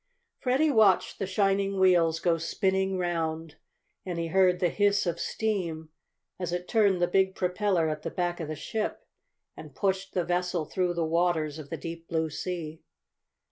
Freddie watched the shining wheels go spinning round and he heard the hiss of steam as it turned the big propeller at the back of the ship, and pushed the vessel through the waters of the deep blue sea.